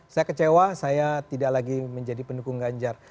saya kecewa saya tidak lagi menjadi pendukung ganjar